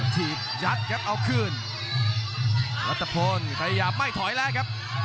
ถีบยัดครับเอาคืนรัฐพลพยายามไม่ถอยแล้วครับ